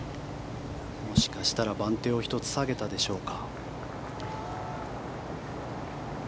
もしかしたら番手を１つ下げたでしょうか。